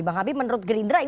bang abi menurut gerindra